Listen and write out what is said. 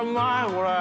これ。